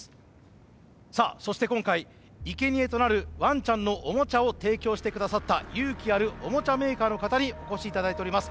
さあそして今回いけにえとなるワンちゃんのオモチャを提供して下さった勇気あるオモチャメーカーの方にお越し頂いております。